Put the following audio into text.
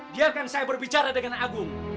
biarkan saya berbicara dengan agung